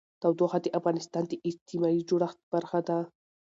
تودوخه د افغانستان د اجتماعي جوړښت برخه ده.